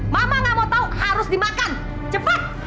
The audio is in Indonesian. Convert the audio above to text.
mama gak mau tahu harus dimakan cepat